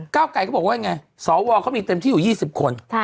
เก้าไกรเขาบอกว่ายังไงสวเขามีเต็มที่อยู่๒๐คน